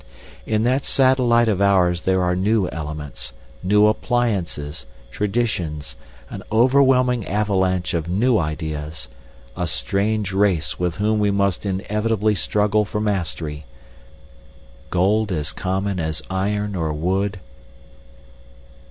In that satellite of ours there are new elements, new appliances, traditions, an overwhelming avalanche of new ideas, a strange race with whom we must inevitably struggle for mastery—gold as common as iron or wood...